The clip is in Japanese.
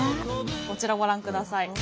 こちらをご覧ください。